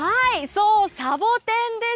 そう、サボテンです。